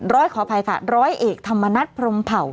ขออภัยค่ะร้อยเอกธรรมนัฐพรมเผ่า